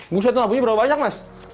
buset lampunya berapa banyak mas